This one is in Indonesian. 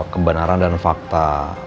kebenaran dan fakta